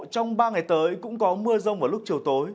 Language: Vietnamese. trong ba ngày tới cũng có mưa rông vào lúc chiều tối